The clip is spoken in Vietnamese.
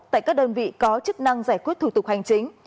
tại các đơn vị có chức năng giải quyết thủ tục hành chính